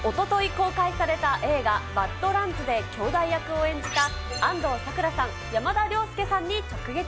公開された映画、バッド・ランズできょうだい役を演じた安藤サクラさん、山田涼介さんに直撃。